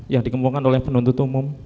yang dikembangkan oleh penuntut umum